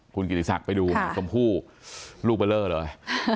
คุณกิติศักดิ์ไปดูชมพู่ลูกเบอร์เลอร์เลย